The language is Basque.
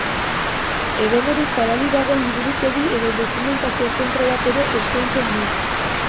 Edonori zabalik dagoen liburutegi eta dokumentazio-zentro bat ere eskaintzen du.